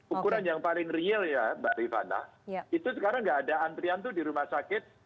ukuran yang paling real ya mbak rifana itu sekarang nggak ada antrian tuh di rumah sakit